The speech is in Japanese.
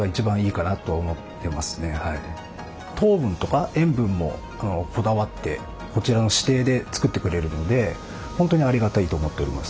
糖分とか塩分もこだわってこちらの指定で作ってくれるので本当にありがたいと思っておりますね。